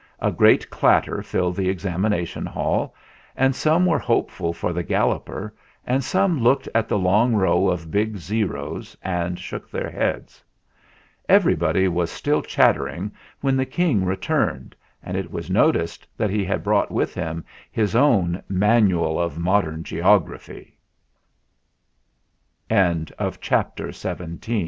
A great clatter filled the Examination Hall, and some were hopeful for the Galloper, and some looked at the long row of big O's and shook their heads. Everybody was still chattering when the King returned, and it was noticed that he had brought with him his own "Manual of Mode